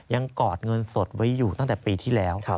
กอดเงินสดไว้อยู่ตั้งแต่ปีที่แล้ว